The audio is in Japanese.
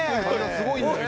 すごいんだよ